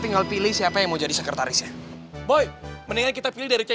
yang penuh ini kira kira